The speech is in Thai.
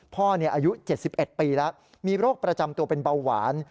อายุ๗๑ปีแล้วมีโรคประจำตัวเป็นเบาหวาน